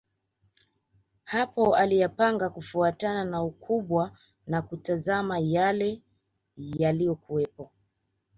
Hapo aliyapanga kufuatana na ukubwa na kutazama yale yaliyokuwepo